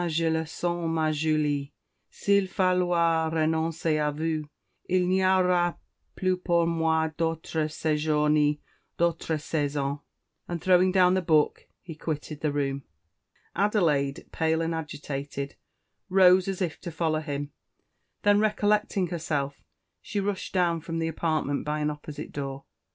je le sens, ma Julie! si'l falloit renoncer a vous, il n'y auroit plus pour moi d'autre sejour ni d'autre saison:"_ and throwing down the book, he quitted the room. Adelaide pale and agitated, rose as if to follow him; then, recollecting herself, she rushed from the apartment by an opposite door.